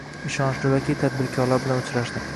Ishonchli vakil tadbirkorlar bilan uchrashdi